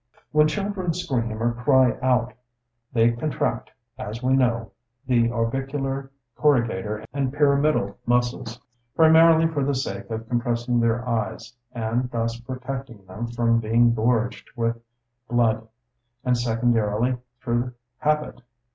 When children scream or cry out, they contract, as we know, the orbicular, corrugator, and pyramidal muscles, primarily for the sake of compressing their eyes, and thus protecting them from being gorged with blood, and secondarily through habit.